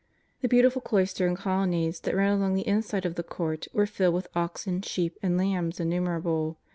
The beautiful cloister and colonnades that ran along the inner side of the Court were filled with oxen, sheep and lambs innumerable.